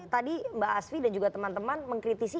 tadi mbak asfi dan juga teman teman mengkritisi